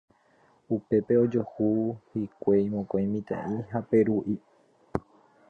Upépe ojojuhu hikuái mokõi mitã'i ha Peru'i.